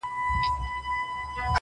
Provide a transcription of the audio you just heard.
که تاسې په ودونو یا پرانیستو مېلمستیاوو